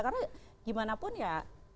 karena gimana pun ya